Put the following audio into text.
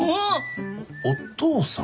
お父さん？